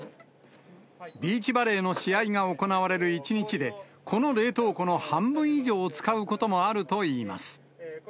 ビーチバレーの試合が行われる１日で、この冷凍庫の半分以上を使うこともあるといいます。